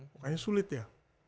pokoknya sulit ya